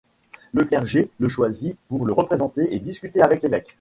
Le clergé le choisit pour le représenter et discuter avec l'évêque.